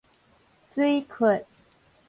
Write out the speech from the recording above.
水窟